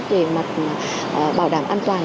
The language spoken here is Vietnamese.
về mặt bảo đảm an toàn